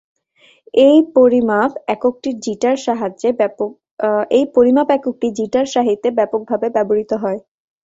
এই পরিমাপ এককটি জিটার সাহিত্যে ব্যাপকভাবে ব্যবহৃত হয়।